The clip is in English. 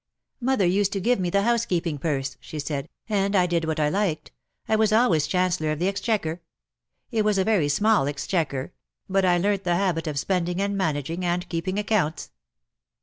"Mother used to give me the housekeeping purse," she said, '' and I did what I liked. I was always Chancellor of the Exchequer. It was a very small exchequer; but I learnt the habit of spending and managing, and keeping accounts."